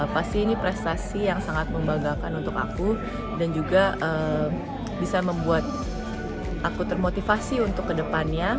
pasti ini prestasi yang sangat membanggakan untuk aku dan juga bisa membuat aku termotivasi untuk kedepannya